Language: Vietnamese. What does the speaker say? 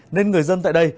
nên người dân tại đây